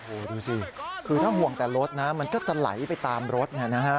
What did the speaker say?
โอ้โหดูสิคือถ้าห่วงแต่รถนะมันก็จะไหลไปตามรถนะฮะ